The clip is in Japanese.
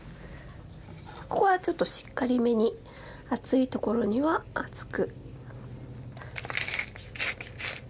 ここはちょっとしっかりめに厚いところには厚く。